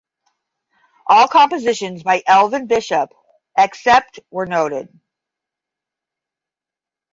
All compositions by Elvin Bishop except where noted